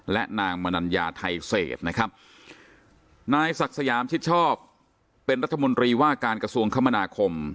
และนางมนัญญาไทยเศษนะครับนายศักดิ์สยามชิดชอบเป็นรัฐมนตรีว่าการกระทรวงคมนาคม